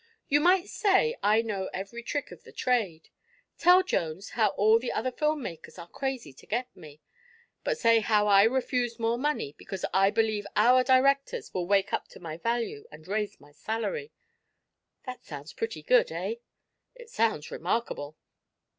"You might say I know every trick of the trade. Tell Jones how all the other film makers are crazy to get me. But say how I refuse more money because I believe our directors will wake up to my value and raise my salary. That sounds pretty good, eh?" "It sounds remarkable."